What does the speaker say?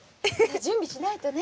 準備しないとね。